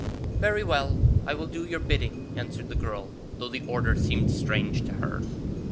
'Very well, I will do your bidding,' answered the girl, though the order seemed strange to her.